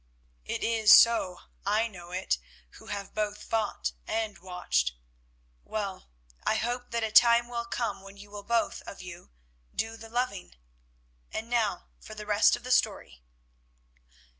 "It is so, I know it, who have both fought and watched. Well, I hope that a time will come when you will both of you do the loving. And now for the rest of the story."